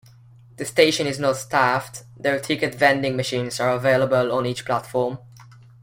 The station is not staffed, though ticket vending machines are available on each platform.